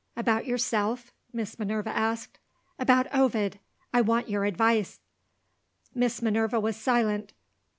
"About yourself?" Miss Minerva asked. "About Ovid. I want your advice." Miss Minerva was silent.